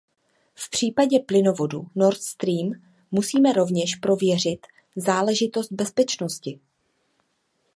V případě plynovodu Nord Stream musíme rovněž prověřit záležitost bezpečnosti.